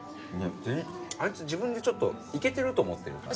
あいつ自分でちょっとイケてると思ってるからね。